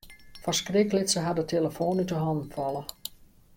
Fan skrik lit se har de telefoan út 'e hannen falle.